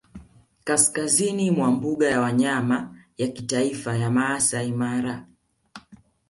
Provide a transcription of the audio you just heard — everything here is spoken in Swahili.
kaskazini mwa mbuga ya wanyama ya kitaifa ya Maasai Mara